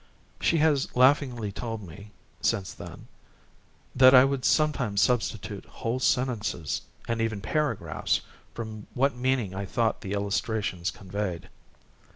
She has laughingly told me, since then, that I would sometimes substitute whole sentences and even paragraphs from what meaning I thought the illustrations conveyed.